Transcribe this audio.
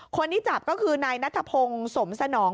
คนที่จับก็คือนายนัทพงศ์สมสนอง